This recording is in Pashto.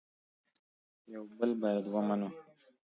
یو بل باید ومنو